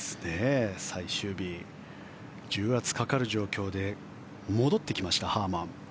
最終日、重圧かかる状況で戻ってきました、ハーマン。